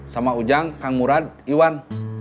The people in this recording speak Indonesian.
sama ujang kang murad iwan